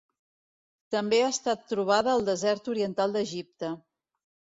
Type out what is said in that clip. També ha estat trobada al desert oriental d'Egipte.